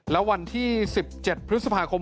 และวันที่๑๗พฤษภาคม